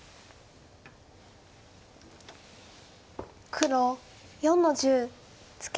黒４の十ツケ。